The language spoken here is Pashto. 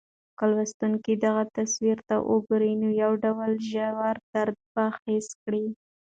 که لوستونکی دغه تصویر ته وګوري، نو یو ډول ژور درد به حس کړي.